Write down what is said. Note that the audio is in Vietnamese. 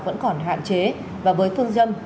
vẫn còn hạn chế và với phương dân